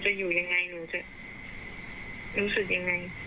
อยู่ยังไงหนูจะรู้สึกยังไง